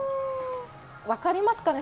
分かりますかね？